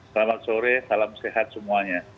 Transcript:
selamat sore salam sehat semuanya